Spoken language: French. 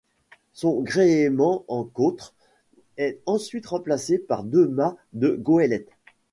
Son gréement en cotre est ensuite remplacé par deux mâts de goélette.